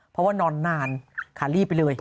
เพราะว่านอนนานขาลีไปเลย